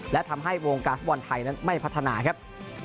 และทำให้วงการฟุตบอลไทยนั้นไม่พัฒนาครับ